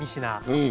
うん。